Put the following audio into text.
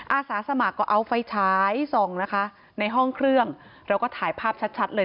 อาสาสมัครก็เอาไฟใช้ซองนะคะในห้องเครื่องแล้วก็ถ่ายภาพชัดเลย